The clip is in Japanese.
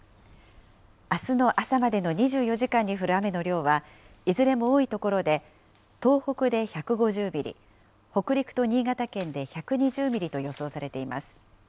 あすの朝までの２４時間に降る雨の量はいずれも多い所で、東北で１５０ミリ、北陸と新潟県で１２０ミリと予想されています。